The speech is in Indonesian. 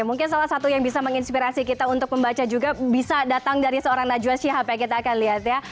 mungkin salah satu yang bisa menginspirasi kita untuk membaca juga bisa datang dari seorang najwa syihab ya kita akan lihat ya